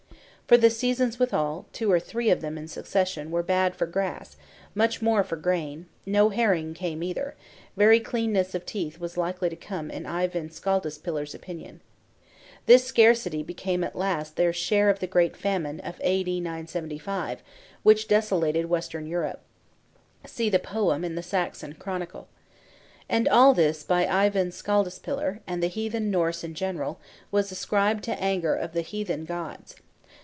For the seasons withal, two or three of them in succession, were bad for grass, much more for grain; no herring came either; very cleanness of teeth was like to come in Eyvind Skaldaspillir's opinion. This scarcity became at last their share of the great Famine Of A.D. 975, which desolated Western Europe (see the poem in the Saxon Chronicle). And all this by Eyvind Skaldaspillir, and the heathen Norse in general, was ascribed to anger of the heathen gods.